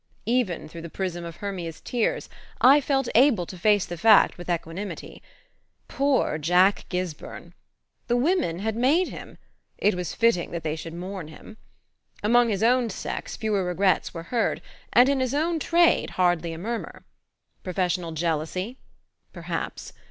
even through the prism of Hermia's tears I felt able to face the fact with equanimity. Poor Jack Gisburn! The women had made him it was fitting that they should mourn him. Among his own sex fewer regrets were heard, and in his own trade hardly a murmur. Professional jealousy? Perhaps.